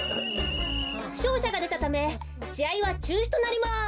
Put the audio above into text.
ふしょうしゃがでたためしあいはちゅうしとなります。